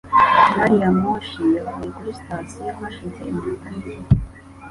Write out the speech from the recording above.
Gari ya moshi yavuye kuri sitasiyo hashize iminota mike.